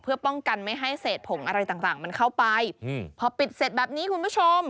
เพื่อป้องกันไม่ให้เศษผงอะไรต่างมันเข้าไปพอปิดเสร็จแบบนี้คุณผู้ชม